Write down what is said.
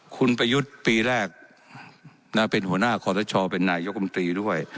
คุณประยุทธ์ปีแรกเป็นหัวหน้าคอสชเป็นนายกรรมตรีด้วย